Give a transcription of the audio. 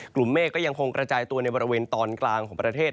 เมฆก็ยังคงกระจายตัวในบริเวณตอนกลางของประเทศ